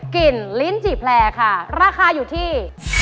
กลิ่นลิ้นจี่แพลค่ะราคาอยู่ที่